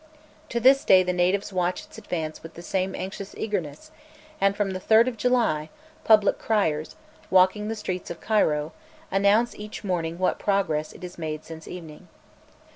To this day the natives watch its advance with the same anxious eagerness; and from the 3rd of July, public criers, walking the streets of Cairo, announce each morning what progress it has made since evening.